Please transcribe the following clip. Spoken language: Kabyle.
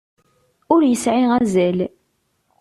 Ur yesεi azal.